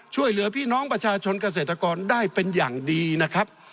ช่วยเหลือพี่น้องประชาชนเกษตรกรได้เป็นอย่างดีนะครับ